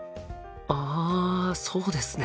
あそうですね。